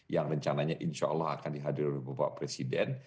yang rencananya insyaallah akan dihadirkan oleh bapak presiden